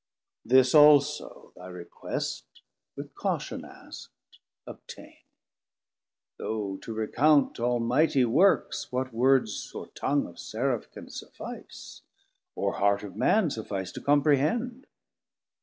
110 This also thy request with caution askt Obtaine: though to recount Almightie works What words or tongue of Seraph can suffice, Or heart of man suffice to comprehend?